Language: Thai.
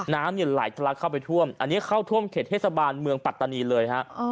น้ำเนี่ยไหลทะลักเข้าไปท่วมอันนี้เข้าท่วมเขตเทศบาลเมืองปัตตานีเลยฮะ